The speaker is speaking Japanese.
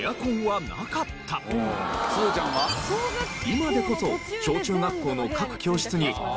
今でこそ小中学校の各教室になかったな。